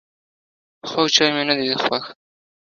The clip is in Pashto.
خوږ چای مي نده خوښ